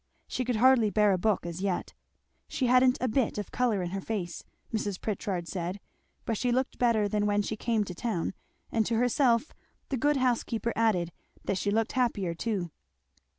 She could hardly bear a book as yet. She hadn't a bit of colour in her face, Mrs. Pritchard said, but she looked better than when she came to town; and to herself the good housekeeper added, that she looked happier too.